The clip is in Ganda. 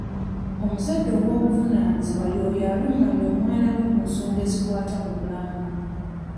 Omuzadde ow'obuvunaanyizibwa y'oyo alungamya omwana we ku nsoga ezikwata ku bulamu.